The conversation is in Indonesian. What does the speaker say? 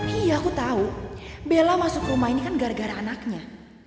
iya aku tahu bella masuk rumah ini kan gara gara anaknya